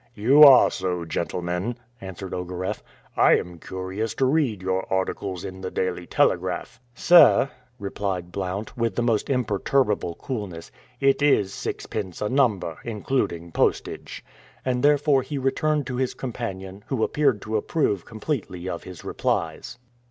"You are so, gentlemen," answered Ogareff; "I am curious to read your articles in the Daily Telegraph." "Sir," replied Blount, with the most imperturbable coolness, "it is sixpence a number, including postage." And thereupon he returned to his companion, who appeared to approve completely of his replies.